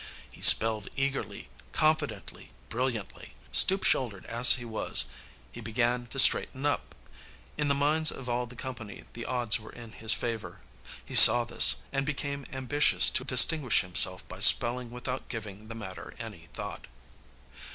He spelled eagerly, confidently, brilliantly. Stoop shouldered as he was, he began to straighten up. In the minds of all the company the odds were in his favor. He saw this, and became ambitious to distinguish himself by spelling without giving the matter any thought.